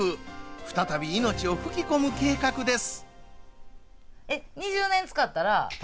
再び命を吹き込む計画です。